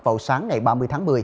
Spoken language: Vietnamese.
vào sáng ngày ba mươi tháng một mươi